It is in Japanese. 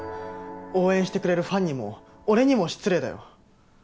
応援してくれるファンにも俺にも失礼だよ！